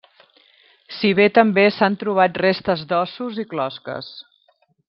Si bé també s'han trobat restes d'ossos i closques.